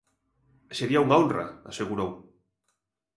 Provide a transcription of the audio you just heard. Sería unha honra, asegurou.